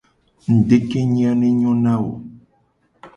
Ngudekenye a ne nyo na wo.